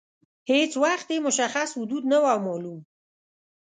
هیڅ وخت یې مشخص حدود نه وه معلوم.